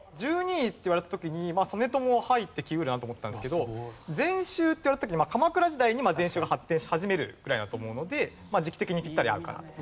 １２位って言われた時に実朝は入ってきうるなって思ったんですけど禅宗って言われた時に鎌倉時代に禅宗が発展し始めるぐらいだと思うので時期的にピッタリ合うかなと。